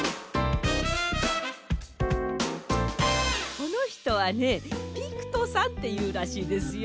このひとはねピクトさんっていうらしいですよ。